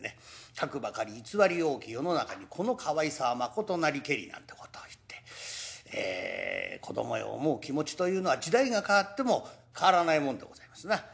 かくばかり偽り多き世の中にこのかわいさは真なりけりなんてことを言ってえ子どもを思う気持ちというのは時代が変わっても変わらないもんでございますな。